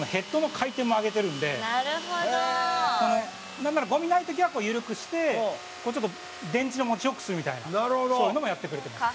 なんならゴミない時は緩くしてちょっと電池の持ち良くするみたいなそういうのもやってくれてます。